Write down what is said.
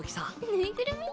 ぬいぐるみ？